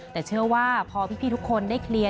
แต่เชื่อว่าพอพี่ทุกคนได้เคลียร์